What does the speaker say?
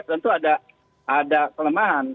tentu ada kelemahan